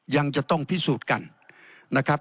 ยังจะต้องพิสูจน์กัน